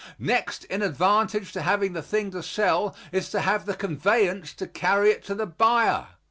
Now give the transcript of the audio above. Next in advantage to having the thing to sell is to have the conveyance to carry it to the buyer.